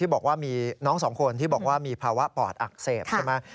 บอกว่ามีน้องสองคนที่บอกว่ามีภาวะปอดอักเสบใช่ไหม